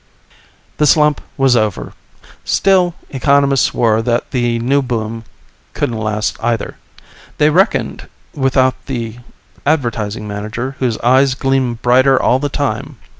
The slump was over. Still, economists swore that the new boom couldn't last either. They reckoned without the Advertising Manager, whose eyes gleamed brighter all the time.